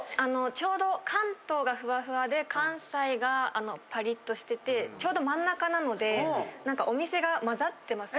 ちょうど関東がふわふわで、関西がぱりっとしてて、ちょうど真ん中なので、お店が混ざってます。